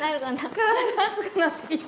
体が熱くなってきた。